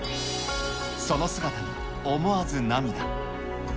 その姿に思わず涙。